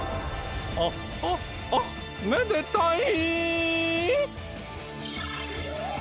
あっあっあっめでたい！